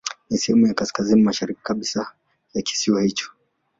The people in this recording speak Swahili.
Ni sehemu ya kaskazini mashariki kabisa ya kisiwa hicho.